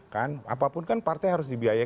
kan apapun kan partai harus dibiayai